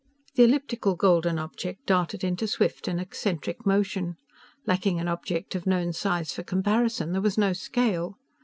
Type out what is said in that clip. The elliptical golden object darted into swift and eccentric motion. Lacking an object of known size for comparison, there was no scale.